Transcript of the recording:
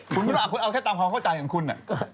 คุณไม่ต้องผ่าพูดแค่ตามความเข้าใจของคุณ